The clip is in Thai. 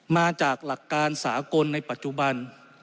มาจากหลักการสากลในปัจจุบัน